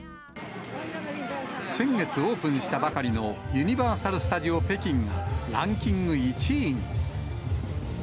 先月オープンしたばかりのユニバーサル・スタジオ・北京がランキング１位に。